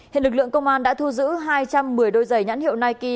hiện lực lượng công an đã thu giữ hai trăm một mươi đôi giày nhãn hiệu nike